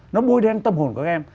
nó bôi đen tâm hồn của các em